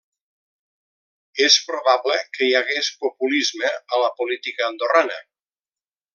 És probable que hi hagués populisme a la política andorrana.